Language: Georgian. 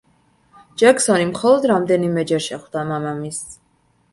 ჯექსონი მხოლოდ რამდენიმეჯერ შეხვდა მამამისს.